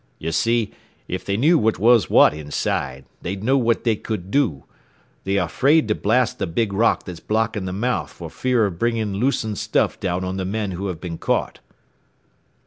"You see, if they knew what was what inside, they'd know what they could do. They are afraid to blast the big rock that's blocking the mouth for fear of bringing loosened stuff down on the men who have been caught."